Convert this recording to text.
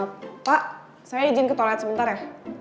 pak saya izin ke toilet sebentar ya